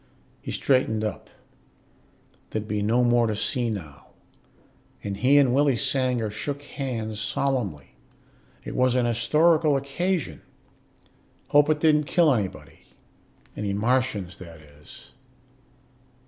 He straightened up there'd be no more to see now and he and Willie Sanger shook hands solemnly. It was an historical occasion. "Hope it didn't kill anybody. Any Martians, that is.